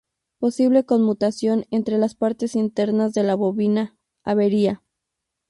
Posible conmutación entre las partes internas de la bobina, avería.